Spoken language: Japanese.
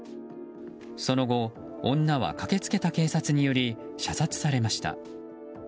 その後女は駆けつけた警察により射殺されました。